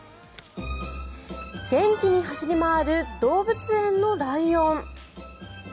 元気に走り回る動物園のライオン。